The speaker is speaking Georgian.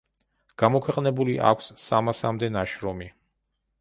გამოქვეყნებული აქვს სამასამდე ნაშრომი.